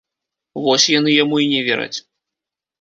Вось яны яму і не вераць.